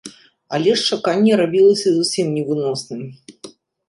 Але ж чаканне рабілася зусім невыносным.